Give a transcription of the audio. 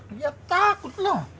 dia takut loh